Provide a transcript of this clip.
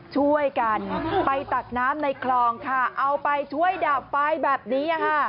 ช่วยกันไปตักน้ำในคลองค่ะเอาไปช่วยดับไฟแบบนี้